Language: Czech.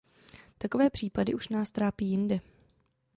Takové případy už nás trápí jinde.